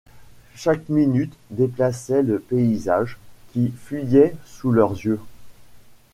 Chaque minute déplaçait le paysage qui fuyait sous leurs yeux.